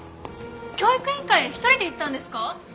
教育委員会へ１人で行ったんですか？